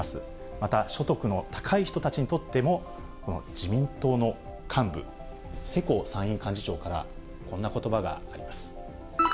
また、所得の高い人たちにとっても、自民党の幹部、世耕参院幹事長からこんなことばがあります。